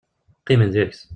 Qqimen deg-s.